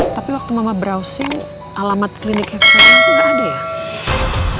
tapi waktu mama browsing alamat klinik heksagonal itu nggak ada ya